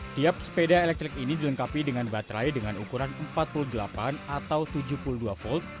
tiap sepeda elektrik ini dilengkapi dengan baterai dengan ukuran empat puluh delapan atau tujuh puluh dua volt